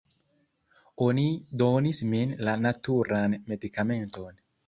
Oni donis min la naturan medikamenton